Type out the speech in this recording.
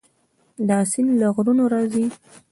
دا سیند له غرونو راځي.